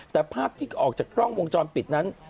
แต่ภาพที่ออกจากกล้องวงจรปิดนั้น